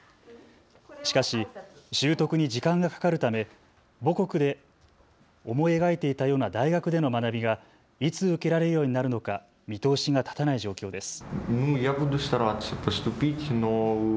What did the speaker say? しかし習得に時間がかかるため母国で思い描いていたような大学での学びが、いつ受けられるようになるのか見通しが立たない状況です。